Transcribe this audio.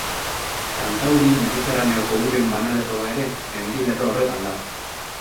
Kantauri-Mediterraneoko uren banalerroa ere mendilerro horretan da.